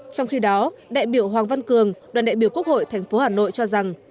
trong khi đó đại biểu hoàng văn cường đoàn đại biểu quốc hội tp hà nội cho rằng